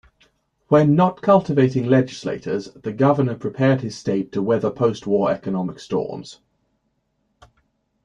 When not cultivating legislators the governor prepared his state to weather postwar economic storms.